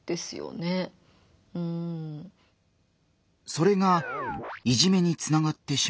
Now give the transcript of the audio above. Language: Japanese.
それがいじめにつながってしまう？